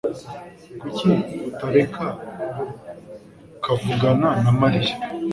Kuki utareka akavugana na Mariya?